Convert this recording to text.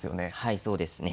そうですね。